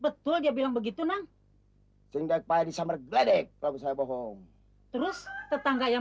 betul dia bilang begitu nang singgah payah di samar gledek kalau saya bohong terus tetangga yang